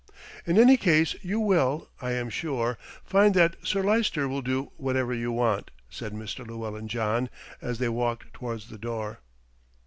"In any case you will, I am sure, find that Sir Lyster will do whatever you want," said Mr. Llewellyn John as they walked towards the door.